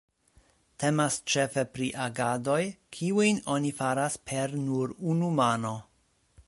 Temas ĉefe pri agadoj, kiujn oni faras per nur unu mano.